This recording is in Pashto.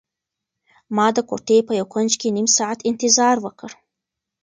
ما د کوټې په یو کنج کې نيم ساعت انتظار وکړ.